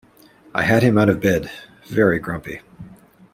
I had him out of bed — very grumpy.